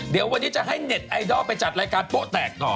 เดี๋ยววันนี้จะให้เน็ตไอดอลไปจัดรายการโป๊แตกต่อ